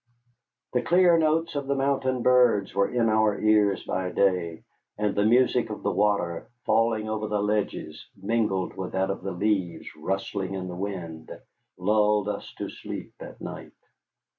The clear notes of the mountain birds were in our ears by day, and the music of the water falling over the ledges, mingled with that of the leaves rustling in the wind, lulled us to sleep at night.